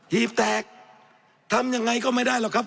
ีบแตกทำยังไงก็ไม่ได้หรอกครับ